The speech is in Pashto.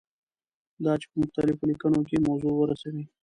دا چې په مختلفو لیکنو کې موضوع ورسوي.